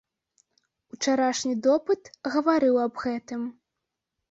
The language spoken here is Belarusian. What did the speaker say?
Учарашні допыт гаварыў аб гэтым.